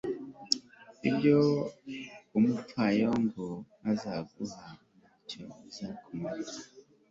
ibyo umupfayongo azaguha, nta cyo bizakumarira